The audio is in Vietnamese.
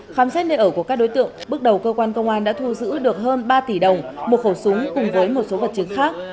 khám xét nơi ở của các đối tượng bước đầu công an tỉnh khánh hòa đã thu giữ được hơn ba tỷ đồng một khẩu súng cùng với một số vật chứng khác